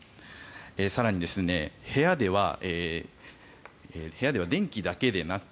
更に、部屋では電気だけでなく